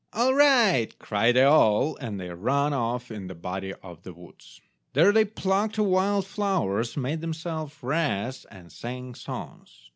"All right," cried they all, and they ran off in a body to the woods. There they plucked the wild flowers, made themselves wreaths, and sang songs.